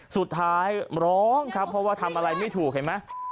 สุดท้ายร้องครับเพราะว่าทำอะไรไม่ถูกเห็นไหม